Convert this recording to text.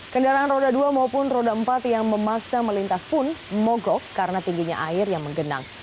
kendaraan roda dua maupun roda empat yang memaksa melintas pun mogok karena tingginya air yang menggenang